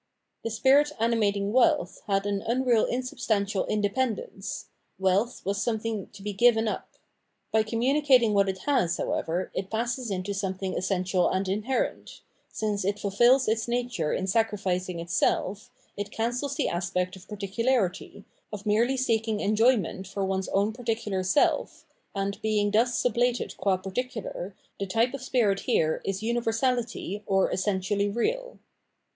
The spirit animat ing wealth had an unreal insubstan tial independence; wealth was something to be given up. By communicating what it has, however, it passes into something essential and inherent ; since it fulfils its nature in sacrificing itself, it cancels the aspect of par ticularity, of merely seeking enjoyment for one's own particular seH, and, being thus sublated qua particular, the type of spirit here is urdversahty or essentially real.